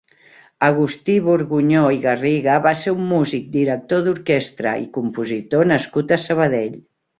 Agustí Borgunyó i Garriga va ser un músic, director d'orquestra i compositor nascut a Sabadell.